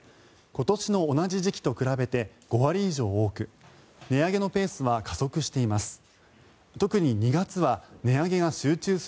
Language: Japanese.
今年の同じ時期と比べて５割以上多く値上げのペースは加速しています。